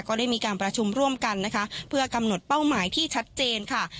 ก็ได้มีการประชุมร่วมกันนะคะเพื่อกำหนดเป้าหมายที่ชัดเจนค่ะ